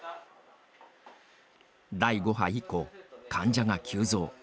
第５波以降、患者が急増。